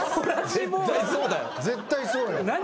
絶対そうだよ。何？